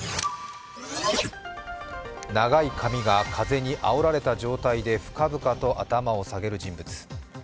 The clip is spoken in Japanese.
長い髪が風にあおられた状態で深々と頭を下げる人物。